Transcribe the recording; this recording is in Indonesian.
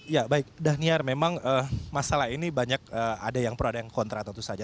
ya baik dhaniar memang masalah ini banyak ada yang pro ada yang kontra tentu saja